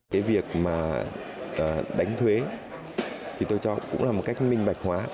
cái việc mà đánh thuế thì tôi cho cũng là một cách minh bạch hóa